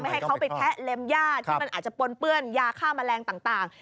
ไม่ให้เขาไปแถะเล็มย่าอาจจะปนเปื้อนยาฆ่ามะแรงต่าง